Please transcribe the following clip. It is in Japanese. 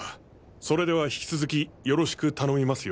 それでは引き続きよろしく頼みますよ。